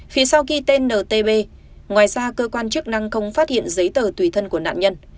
phía sau ghi tên ntb ngoài ra cơ quan chức năng không phát hiện giấy tờ tùy thân của nạn nhân